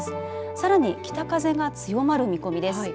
さらに北風が強まる見込みです。